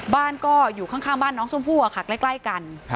บ้านก็อยู่ข้างบ้านน้องชมพู่ใกล้กัน